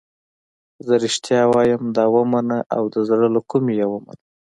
زه رښتیا وایم دا ومنه او د زړه له کومې یې ومنه.